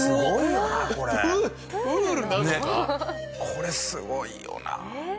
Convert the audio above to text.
これすごいよな。